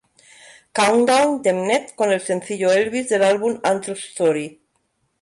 Countdown de Mnet con el sencillo "Elvis", del álbum Angels' Story.